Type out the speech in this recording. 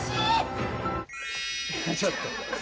ちょっと。